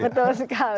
iya betul sekali